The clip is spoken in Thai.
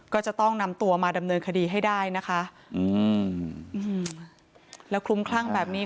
ก็จะต้องนำตัวมาดำเนินคดีให้ได้นะคะอืมแล้วคลุ้มคลั่งแบบนี้